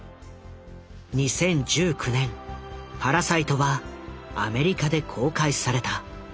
２０１９年「パラサイト」はアメリカで公開された。